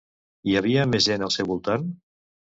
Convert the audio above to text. Hi havia més gent al seu voltant?